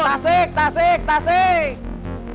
tasik tasik tasik